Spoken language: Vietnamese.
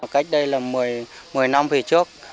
cách đây là một mươi năm về trước